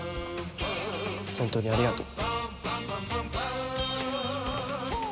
本当にありがとう。